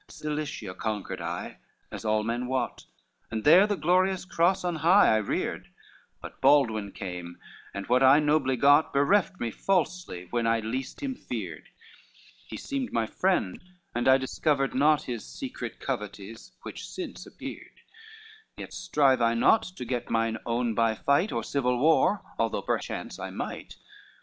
XLVIII "Cilicia conquered I, as all men wot, And there the glorious cross on high I reared, But Baldwin came, and what I nobly got Bereft me falsely when I least him feared; He seemed my friend, and I discovered not His secret covetise which since appeared; Yet strive I not to get mine own by fight, Or civil war, although perchance I might.